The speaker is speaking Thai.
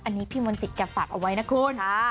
อันนี้พี่มนต์สิทธิ์จะฝากเอาไว้นะคุณ